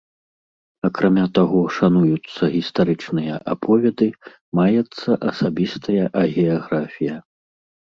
Акрамя таго, шануюцца гістарычныя аповеды, маецца асабістая агіяграфія.